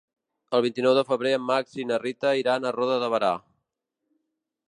El vint-i-nou de febrer en Max i na Rita iran a Roda de Berà.